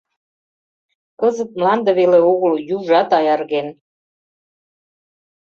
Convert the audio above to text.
Кызыт мланде веле огыл — южат аярген.